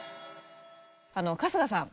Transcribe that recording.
春日さん